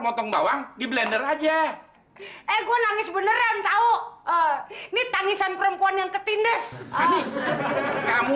mau ngebawang di blender aja eh gue nangis beneran tahu ini tangisan perempuan yang ketindes kamu